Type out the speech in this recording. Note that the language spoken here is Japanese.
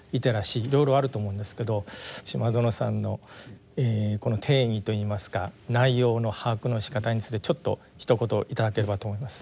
いろいろあると思うんですけど島薗さんの定義と言いますか内容の把握のしかたについてちょっとひと言いただければと思います。